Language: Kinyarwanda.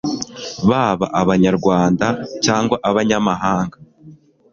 baba Abanyarwanda cyangwa abanyamahanga